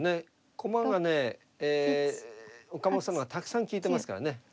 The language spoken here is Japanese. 駒がね岡本さんの方がたくさん利いてますからね。